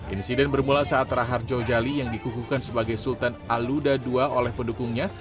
insiden bermula saat raharjo jali yang dikukuhkan sebagai sultan aluda ii oleh pendukungnya